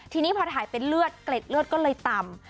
ทีนี้พอถ่ายเป็นเลือดเกล็ดเลือดก็เลยต่ำ